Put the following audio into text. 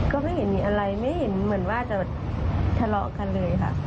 ก็ไม่เห็นมีอะไรไม่เห็นเหมือนว่าจะแบบทะเลาะกันเลยค่ะ